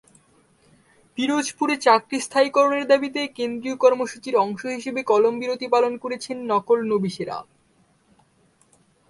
পিরোজপুরে চাকরি স্থায়ীকরণের দাবিতে কেন্দ্রীয় কর্মসূচির অংশ হিসেবে কলম–বিরতি পালন করেছেন নকলনবিশেরা।